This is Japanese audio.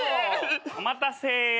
お待たせ。